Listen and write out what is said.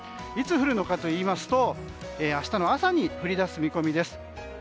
いつ降るのかといいますと明日の朝に降り出す見込みです。